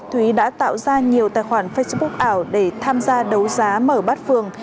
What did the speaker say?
thúy đã tạo ra nhiều tài khoản facebook ảo để tham gia đấu giá mở bát phường